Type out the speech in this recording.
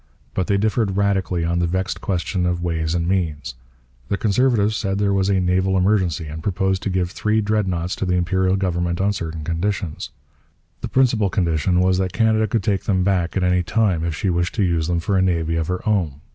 But they differed radically on the vexed question of ways and means. The Conservatives said there was a naval emergency and proposed to give three Dreadnoughts to the Imperial government on certain conditions. The principal condition was that Canada could take them back at any time if she wished to use them for a navy of her own.